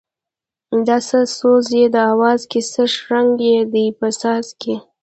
دا څه سوز یې دی اواز کی څه شرنگی یې دی په ساز کی